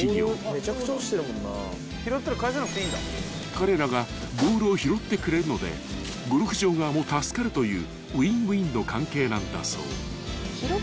［彼らがボールを拾ってくれるのでゴルフ場側も助かるというウィンウィンの関係なんだそう］